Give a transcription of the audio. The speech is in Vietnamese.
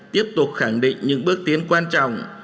tiếp tục khẳng định những bước tiến quan trọng